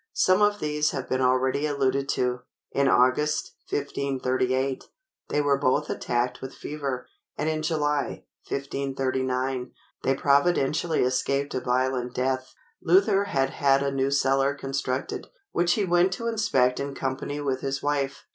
Some of these have been already alluded to. In August, 1538, they were both attacked with fever, and in July, 1539, they providentially escaped a violent death. Luther had had a new cellar constructed, which he went to inspect in company with his wife.